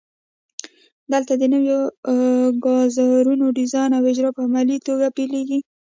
دلته د نویو کارزارونو ډیزاین او اجرا په عملي توګه پیلیږي.